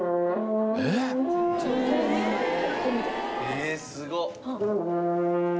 ええすごっ！